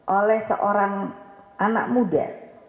oleh seorang anak muda